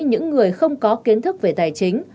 những người không có kiến thức về tài chính